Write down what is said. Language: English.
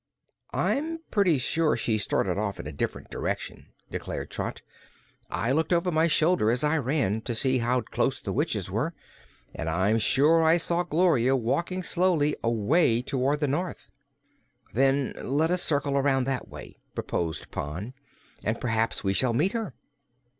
"I'm pretty sure she started off in a diff'rent direction," declared Trot. "I looked over my shoulder, as I ran, to see how close the witches were, and I'm sure I saw Gloria walking slowly away toward the north." "Then let us circle around that way," proposed Pon, "and perhaps we shall meet her."